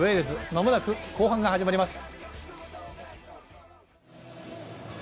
まもなく後半が始まります。